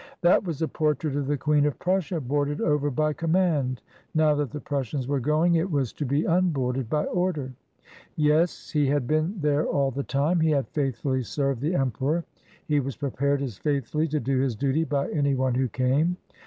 "That was a por trait of the Queen of Prussia, boarded over by com mand; now that the Prussians were going it was to be unboarded, by order." "Yes, he had been there all the time. He had faithfully served the Emperor. He was prepared as faithfully to do his duty by any one who came."